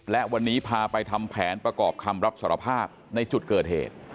และวันนี้พาไปทำแผนประกอบคำรับสารภาพในจุดเกิดเหตุ